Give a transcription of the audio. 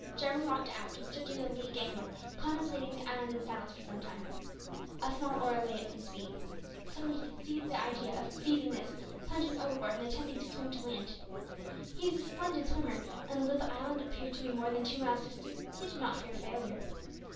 Jarwin walked aft and stood near the lee gangway contemplating the island in silence for some time. A small oar lay at his feet. Suddenly he conceived the daring idea of seizing this, plunging overboard and attempting to swim to land. He was a splendid swimmer, and although the island appeared to be more than two miles distant, he did not fear failure.